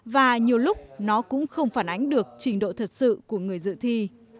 và nhiều lúc nó cũng không phản ánh được trình độ thật sự của người dự thi